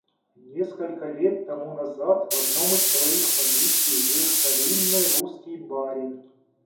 Несколько лет тому назад в одном из своих поместий жил старинный русский барин.